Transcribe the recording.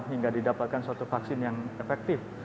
hingga didapatkan suatu vaksin yang efektif